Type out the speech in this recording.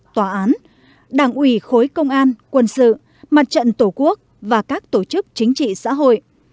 tòa án đảng ủy khối công an quân sự mặt trận tổ quốc và các tổ chức chính trị xã hội